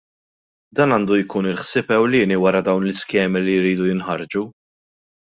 Dan għandu jkun il-ħsieb ewlieni wara dawn l-iskemi li jridu jinħarġu.